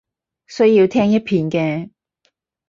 需要聽一遍嘅